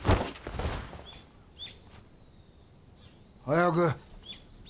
早く。